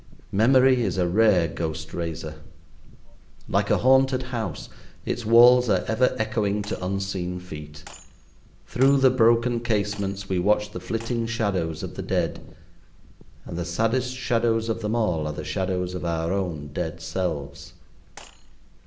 Memory is a rare ghost raiser. Like a haunted house, its walls are ever echoing to unseen feet. Through the broken casements we watch the flitting shadows of the dead, and the saddest shadows of them all are the shadows of our own dead selves.